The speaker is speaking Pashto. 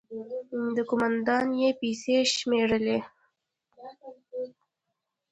، کومندان يې پيسې شمېرلې.